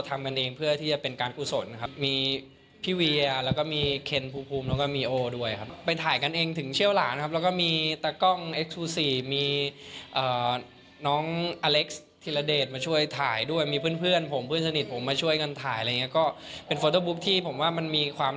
ทุกภาพเก็บเหินวีดีแรบพมันจงทอดแลนย์ค่ะ